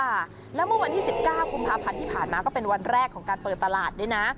แล้วเมื่อวันที่๑๙กุมภาพันธ์ที่ผ่านมาก็เป็นวันแรกของการเปิดตลาดด้วยนะ